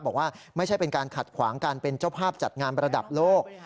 บอกว่าไม่ใช่เป็นการขัดขวางการเป็นเจ้าภาพจัดงานระดับโลก